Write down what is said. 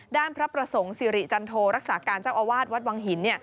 ด้านพระประสงค์สิริจันโทรักษาการเจ้าอาวาสวัดวังหิน